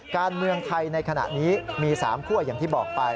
การเมืองไทยในขณะนี้มี๓คั่วอย่างที่บอกไป